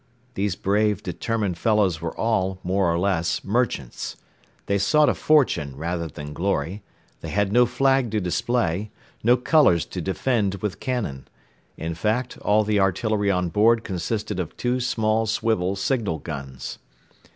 These brave, determined fellows were all, more or less, merchants; they sought a fortune rather than glory; they had no flag to display, no colours to defend with cannon; in fact, all the artillery on board consisted of two small swivel signal guns.